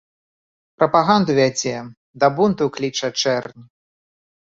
Прапаганду вядзе, да бунту кліча чэрнь.